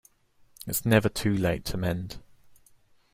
It's never too late to mend.